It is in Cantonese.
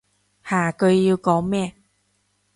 下句要講咩？